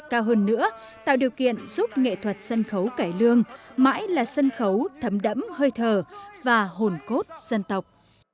cao hơn nữa tạo điều kiện giúp nghệ thuật sân khấu cải lương mãi là sân khấu thấm đẫm hơi thờ và hồn cốt dân tộc